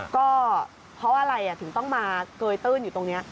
ก็เพราะอะไรถึงต้องมาเกยตื้นอยู่ตรงนี้